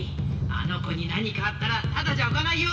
あの子に何かあったらただじゃおかないよ！